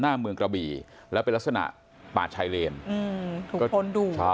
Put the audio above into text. หน้าเมืองกระบี่แล้วเป็นลักษณะป่าชายเลนถูกพ้นดู